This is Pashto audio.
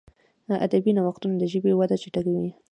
ادبي نوښتونه د ژبي وده چټکوي.